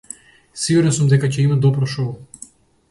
Сигурен сум дека ќе има добро шоу.